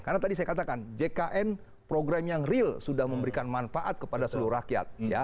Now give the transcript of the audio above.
karena tadi saya katakan jkn program yang real sudah memberikan manfaat kepada seluruh rakyat